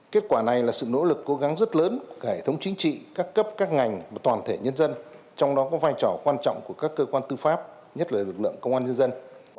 kết quả này là sự nỗ lực cố gắng rất lớn của hệ thống chính trị các cấp các ngành và toàn thể nhân dân trong đó có vai trò quan trọng của các cơ quan tư pháp nhất là lực lượng công an nhân dân